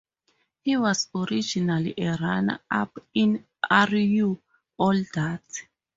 He was originally a runner up in R U All That?